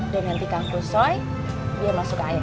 dan nanti kang kusoy dia masuk ke airnya